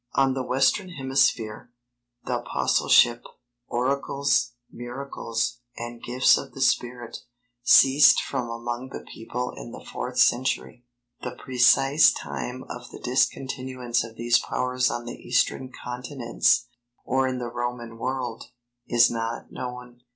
On the Western Hemisphere, the Apostleship, oracles, miracles, and gifts of the Spirit, ceased from among the people in the fourth century. The precise time of the discontinuance of these powers on the eastern continents, or in the Roman world, is not known.